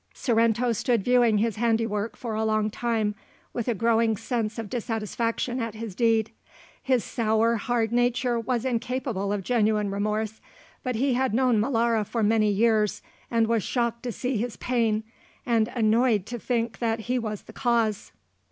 Sorrento stood viewing his handiwork for a long time, with a growing sense of dissatisfaction at his deed. His sour, hard nature was incapable of genuine remorse, but he had known Molara for many years and was shocked to see his pain, and annoyed to think that he was the cause.